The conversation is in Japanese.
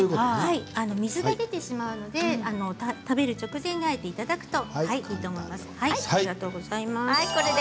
水が出てしまうので食べる直前にあえていただくといいと思います。